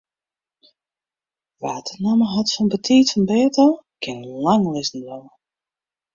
Wa't de namme hat fan betiid fan 't bêd ôf, kin lang lizzen bliuwe.